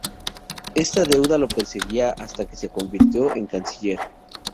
Esta deuda lo perseguiría hasta que se convirtió en canciller.